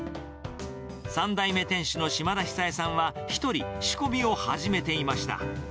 ３代目店主の嶋田久栄さんは、一人、仕込みを始めていました。